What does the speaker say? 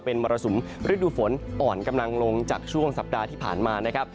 เป็นมรสุมฤดูฝนอ่อนกำลังลงจากช่วงสัปดาห์ที่ผ่านมานะครับ